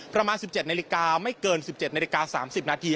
ประมาณ๑๗นาฬิกาไม่เกิน๑๗นาฬิกา๓๐นาที